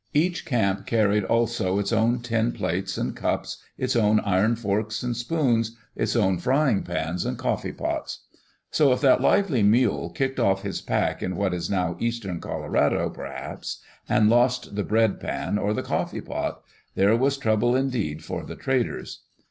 Each camp carried also its own tin plates and cups, its own iron forks and spoons, its own frying pans and coffee pots. So if that lively mule kicked off his pack in Digitized by CjOOQ IC THE OREGON TRAIL what is now eastern Colorado, perhaps, and lost the bread pan or the coffee pot, there was trouble indeed for the traders.